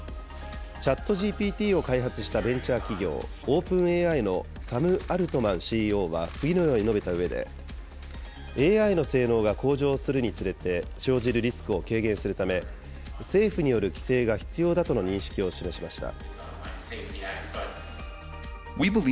ＣｈａｔＧＰＴを開発したベンチャー企業、オープンＡＩのサム・アルトマンＣＥＯは次のように述べたうえで、ＡＩの性能が向上するにつれて、生じるリスクを軽減するため、政府による規制が必要だとの認識を示しました。